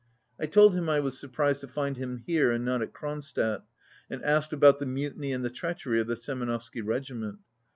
I told him I was surprised to find him here and not at Kronstadt, and asked about the mutiny and the treachery of the Semenovsky regiment.